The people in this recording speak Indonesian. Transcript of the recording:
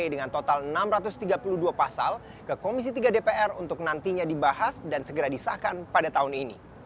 dengan total enam ratus tiga puluh dua pasal ke komisi tiga dpr untuk nantinya dibahas dan segera disahkan pada tahun ini